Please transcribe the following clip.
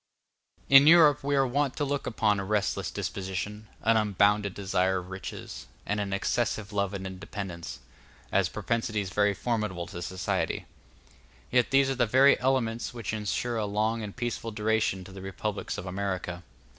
In Europe we are wont to look upon a restless disposition, an unbounded desire of riches, and an excessive love of independence, as propensities very formidable to society. Yet these are the very elements which ensure a long and peaceful duration to the republics of America.